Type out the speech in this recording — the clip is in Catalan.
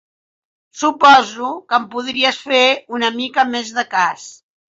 Suposo que em podries fer una mica més de cas.